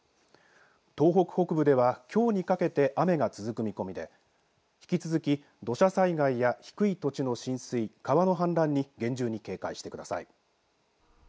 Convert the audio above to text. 東北北部ではきょうにかけて雨が続く見込みで引き続き土砂災害や低い土地の浸水川の氾濫に厳重に警戒してください。